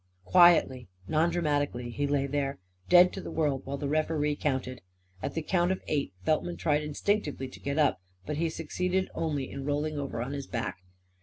Quietly, non dramatically, he lay there, dead to the world while the referee counted. At the count of eight Feltman tried instinctively to get up. But he succeeded only in rolling over on his back.